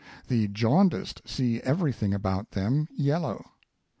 The jaundiced see everything about them yellow.